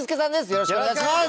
よろしくお願いします！